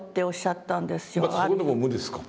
またそこでも無ですか？